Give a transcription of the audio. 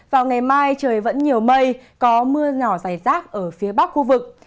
vào ngày mai trời vẫn nhiều mây có mưa nhỏ dài rác ở phía bắc khu vực